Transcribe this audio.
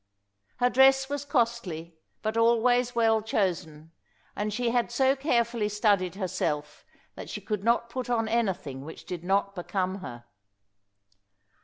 Her dress was costly, but always well chosen, and she had so carefully studied herself that she could not put on anything which did not become her.